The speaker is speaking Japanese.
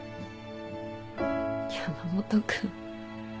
山本君。